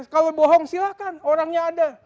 kalau bohong silahkan orangnya ada